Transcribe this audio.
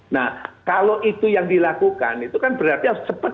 nah kalau itu yang dilakukan itu kan berarti harus cepat